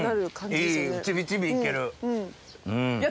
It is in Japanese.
いいちびちび行ける。